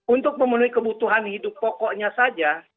untuk memenuhi kebutuhan hidup pokoknya saja